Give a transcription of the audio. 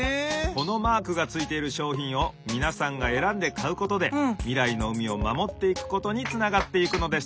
このマークがついているしょうひんをみなさんがえらんでかうことでみらいの海をまもっていくことにつながっていくのです。